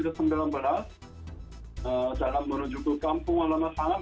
selesai sebelum komputer sembilan belas jalan menuju ke kampung alam sangat